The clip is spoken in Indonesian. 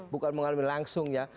bukan mengalami langsung ya